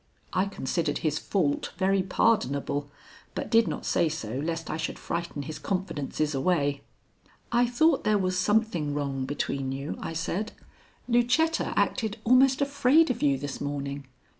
I considered his fault very pardonable, but did not say so lest I should frighten his confidences away. "I thought there was something wrong between you," I said. "Lucetta acted almost afraid of you this morning.